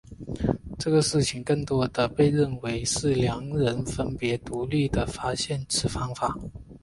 这个事情更多地被认为是两人分别独立地发现了此方法。